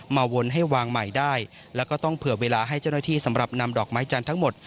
วนให้วางใหม่ได้แล้วก็ต้องเผื่อเวลาให้เจ้าหน้าที่สำหรับนำดอกไม้จันทร์ทั้งหมด